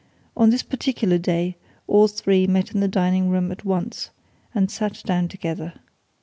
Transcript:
On this particular day all three met in the dining room at once, and sat down together.